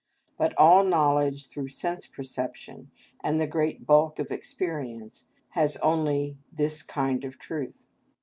But all knowledge through sense perception, and the great bulk of experience, has only this kind of truth.